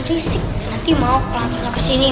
dismin akan kembali